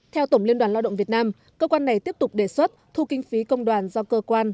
theo tổng liên đoàn lao động việt nam cơ quan này tiếp tục đề xuất thu kinh phí công đoàn do cơ quan